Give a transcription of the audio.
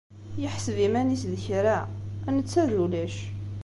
Yeḥseb iman-is d kra, netta d ulac.